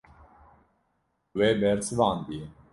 We bersivandiye.